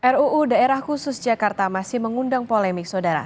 ruu daerah khusus jakarta masih mengundang polemik saudara